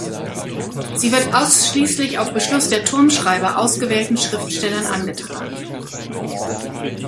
Sie wird ausschließlich auf Beschluss der Turmschreiber ausgewählten Schriftstellern angetragen.